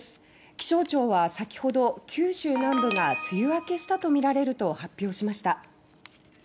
気象庁は先ほど九州南部が梅雨明けしたとみられると発表しました。